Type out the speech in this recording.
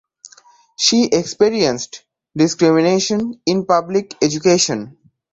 She experienced discrimination in public education.